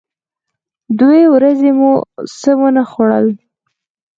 دوې ورځې مو څه و نه خوړل.